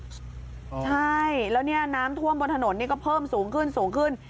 ใช่แล้วนี้น้ำท่วมบนถนนนี่ก็เพิ่มสูงขึ้น